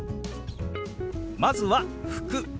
まずは「服」。